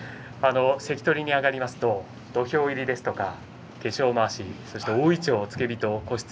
関取に上がりますと土俵入りですとか化粧まわしそして大いちょう、付け人。